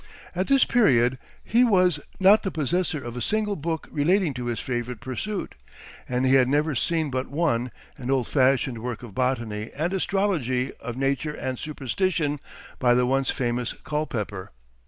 At this period he was not the possessor of a single book relating to his favorite pursuit, and he had never seen but one, an old fashioned work of botany and astrology, of nature and superstition, by the once famous Culpepper.